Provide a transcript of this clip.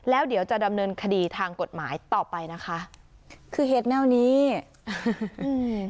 แล้วเดี๋ยวจะดำเนินคดีทางกฎหมายต่อไปนะคะคือเหตุแนวนี้อืม